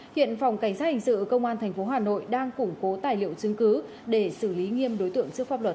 hiện phòng cảnh sát hình sự công an tp hà nội đang củng cố tài liệu chứng cứ để xử lý nghiêm đối tượng trước pháp luật